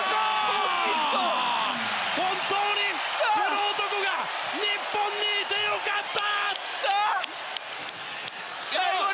本当にこの男が日本にいて良かった！